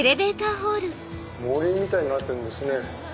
森みたいになってるんですね。